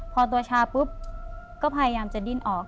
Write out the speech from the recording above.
พอตัวชาปุ๊บก็พยายามจะดิ้นออก